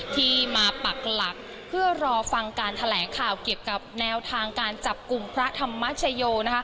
ที่มาปักหลักเพื่อรอฟังการแถลงข่าวเกี่ยวกับแนวทางการจับกลุ่มพระธรรมชโย